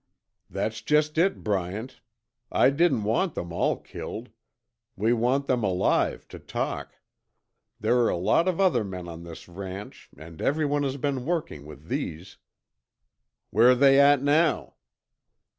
"That's just it, Bryant. I didn't want them all killed. We want them alive to talk! There are a lot of other men on this ranch and everyone has been working with these." "Where they at now?"